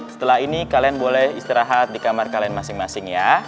setelah ini kalian boleh istirahat di kamar kalian masing masing ya